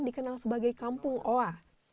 dikenal sebagai kampung oa